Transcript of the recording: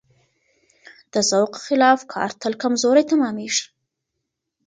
د ذوق خلاف کار تل کمزوری تمامېږي.